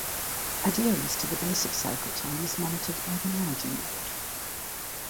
Adherence to the basic cycle time is monitored by the Managing Node.